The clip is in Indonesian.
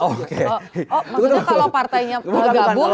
oh maksudnya kalau partainya bergabung